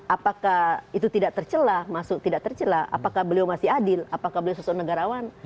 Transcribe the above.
apakah itu tidak tercelah masuk tidak tercelah apakah beliau masih adil apakah beliau sosok negarawan